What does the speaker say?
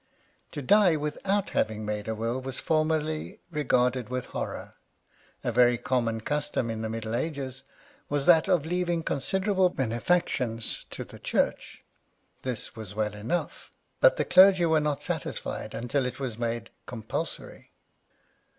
To die without having made a will was formerly regarded with horror. A very common custom in the Middle Ages was that of leaving considerable benefactions to the Church. This was well enough, but the clergy were not satisfied until it was made compulsory.